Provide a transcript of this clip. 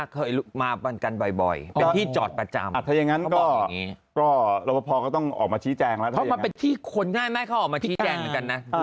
เขามาเป็นที่คนง่ายไม่ค่อยออกมาชี้แจงเหมือนกันนะ